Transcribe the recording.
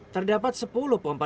terdapat sepuluh pompa